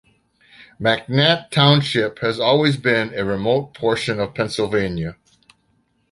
McNett Township has always been a remote portion of Pennsylvania.